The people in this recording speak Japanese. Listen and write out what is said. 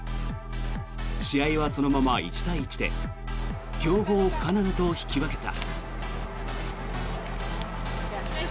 試合はそのまま１対１で強豪カナダと引き分けた。